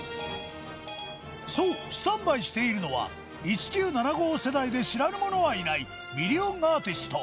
そうスタンバイしているのは１９７５世代で知らぬ者はいないミリオンアーティスト